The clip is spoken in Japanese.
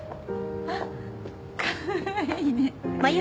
あっかわいいねははっ。